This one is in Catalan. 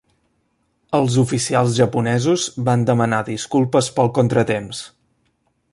Els oficials japonesos van demanar disculpes pel contratemps.